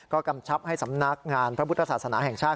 ก็กำชับให้สำนักงานพระพุทธศาสนาแห่งชาติ